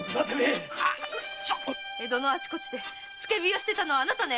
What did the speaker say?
江戸のあちこちで付け火をしてたのはあなたね！